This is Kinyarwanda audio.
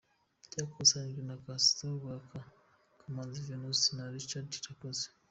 Byakusanyijwe na : Gaston Rwaka, Kamanzi Venuste na Richard Irakoze.